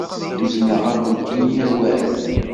Uzneɣ-akent-in awal.